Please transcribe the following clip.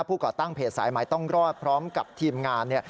ผู้ก่อตั้งเพจสายไหมต้องรอดพร้อมกับทีมงาน